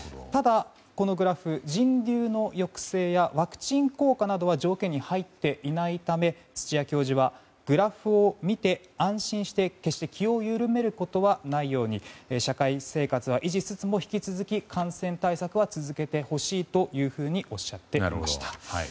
ただ、このグラフ人流の抑制やワクチン効果などは条件に入っていないため土谷教授はグラフを見て安心して決して気を緩めることはないように社会生活は維持しつつも引き続き、感染対策は続けてほしいとおっしゃっていました。